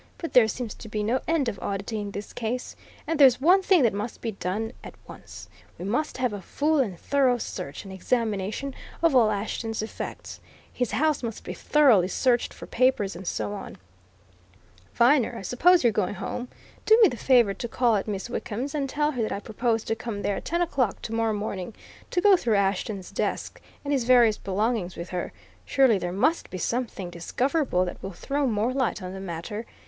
"But there seems to be no end of oddity in this case. And there's one thing that must be done at once: we must have a full and thorough search and examination of all Ashton's effects. His house must be thoroughly searched for papers and so on. Viner, I suppose you're going home? Do me the favour to call at Miss Wickham's, and tell her that I propose to come there at ten o'clock tomorrow morning, to go through Ashton's desk and his various belongings with her surely there must be something discoverable that will throw more light on the matter.